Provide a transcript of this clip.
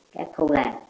các thông làng